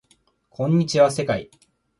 こんにちは世界